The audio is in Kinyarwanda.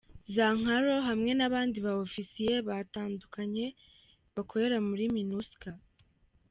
Zankaro hamwe n’abandi ba Ofisiye batandukanye bakorera muri Minusca.